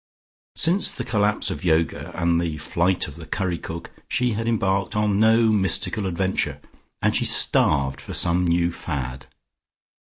Since the collapse of Yoga and the flight of the curry cook, she had embarked on no mystical adventure, and she starved for some new fad.